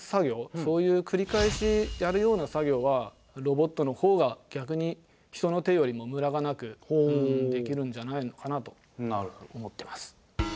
そういうくり返しやるような作業はロボットの方が逆に人の手よりもムラがなくできるんじゃないのかなと思ってます。